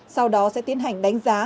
sau đó sẽ tiến hành đánh giá